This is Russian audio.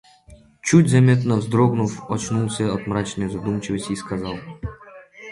чуть заметно вздрогнув, очнулся от мрачной задумчивости и сказал: